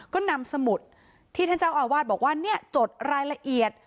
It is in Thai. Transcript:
ก็นำสมุดที่ท่านเจ้าอาวาสบอกว่าเนี่ยจดรายละเอียด